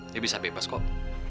dia bisa bebas kok